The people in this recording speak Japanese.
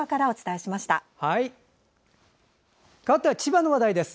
かわっては千葉の話題です。